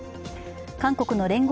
韓国の聯合